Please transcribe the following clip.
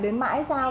đến mãi sao